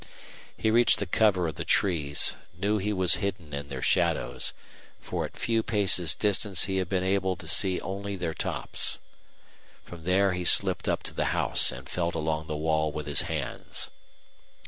He reached the cover of the trees, knew he was hidden in their shadows, for at few paces' distance he had been able to see only their tops. From there he slipped up to the house and felt along the wall with his hands.